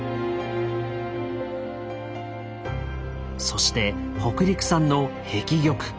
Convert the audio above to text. そして北陸産の碧玉。